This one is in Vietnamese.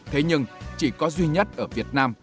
thế nhưng chỉ có duy nhất ở việt nam